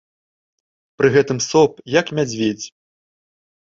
Пры гэтым соп, як мядзведзь.